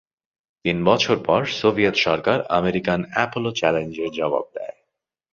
তিন বছর পর সোভিয়েত সরকার আমেরিকান অ্যাপোলো চ্যালেঞ্জের জবাব দেয়।